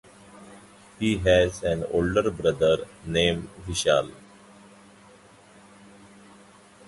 He has an older brother named Vishal.